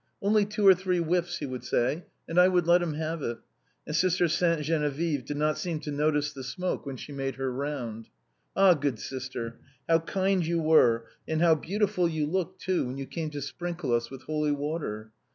" Only two or three whiffs," he would say, and I would let him have it; and Sister Sainte Geneviève did not seem francine's muff. 335 to notice the smoke when she made her round. Ah ! good sister, how kind you were, and how beautiful you looked, too, when you came to sprinkle us with holy water.